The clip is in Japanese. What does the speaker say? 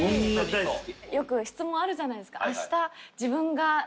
よく質問あるじゃないですか。